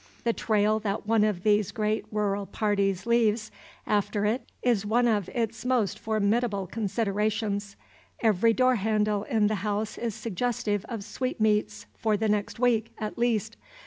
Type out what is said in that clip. The trail that one of these great rural parties leaves after it is one of its most formidable considerations. Every door handle in the house is suggestive of sweetmeats for the next week, at least.